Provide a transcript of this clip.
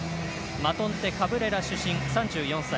マトンテ・カブレラ主審３４歳。